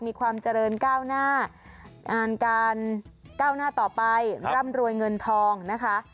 มีความเจริญก้าวหน้างานการก้าวหน้าต่อไปร่ำรวยเงินทองนะคะ